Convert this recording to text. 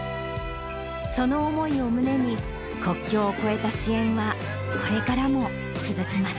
その思いを胸に、国境を越えた支援は、これからも続きます。